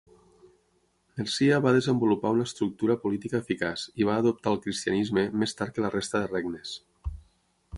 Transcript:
Mercia va desenvolupar una estructura política eficaç i va adoptar el cristianisme més tard que la resta de regnes.